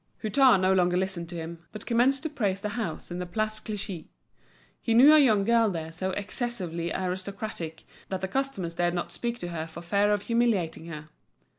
Hutin no longer listened to him, but commenced to praise the house in the Place Clichy. He knew a young girl there so excessively aristocratic that the customers dared not speak to her for fear of humiliating her.